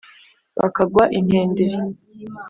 Bakagwa intenderi.